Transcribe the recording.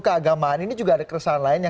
keagamaan ini juga ada keresan lainnya